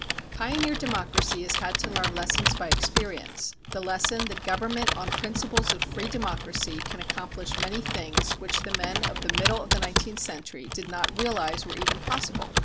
Pioneer democracy has had to learn lessons by experience: the lesson that government on principles of free democracy can accomplish many things which the men of the middle of the nineteenth century did not realize were even possible.